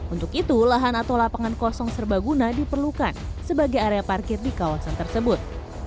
untuk itu lahan atau lapangan kosong serbaguna diperlukan sebagai area parkir di kawasan tersebut